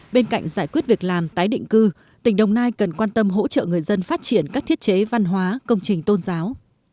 bên cạnh giải quyết việc làm tái định cư tỉnh đồng nai cần quan tâm hỗ trợ người dân phát triển các thiết chế văn hóa công trình tôn giáo